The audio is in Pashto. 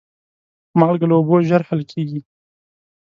مالګه له اوبو ژر حل کېږي.